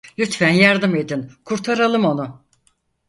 Lütfen yardım edin, kurtaralım onu.